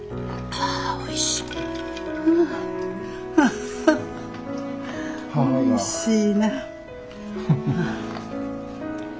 ハハおいしいな。